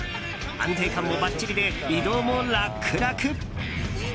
安定感もばっちりで移動も楽々！